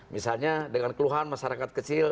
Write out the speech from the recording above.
misalnya dengan keluhan masyarakat kecil